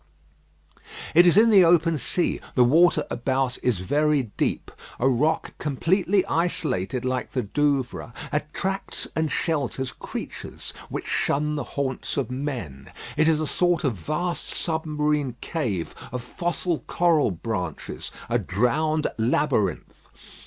It is in the open sea; the water about is very deep. A rock completely isolated like the Douvres attracts and shelters creatures which shun the haunts of men. It is a sort of vast submarine cave of fossil coral branches a drowned labyrinth.